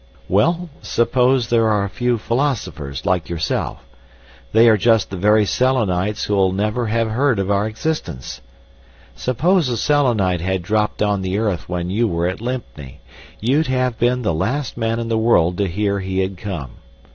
"Well, suppose there are a few philosophers like yourself. They are just the very Selenites who'll never have heard of our existence. Suppose a Selenite had dropped on the earth when you were at Lympne, you'd have been the last man in the world to hear he had come.